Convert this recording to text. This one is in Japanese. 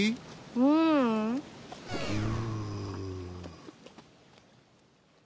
ううん。ぎゅ。